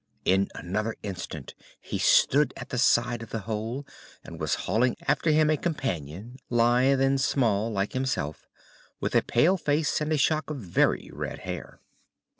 In another instant he stood at the side of the hole and was hauling after him a companion, lithe and small like himself, with a pale face and a shock of very red hair.